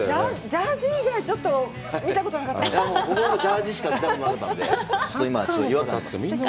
ジャージ以外ちょっと見たことがなかった。